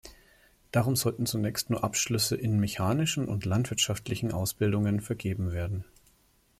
Darum sollten zunächst nur Abschlüsse in mechanischen und landwirtschaftlichen Ausbildungen vergeben werden.